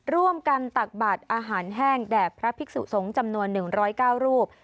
ร่วมกันตักบาดอาหารแห้งแด่พระภิกษุทรงจำนวน๑๐๙รูป